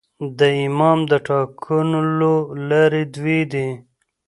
د امام د ټاکلو لاري دوې دي.